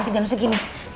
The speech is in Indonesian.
sampai jam segini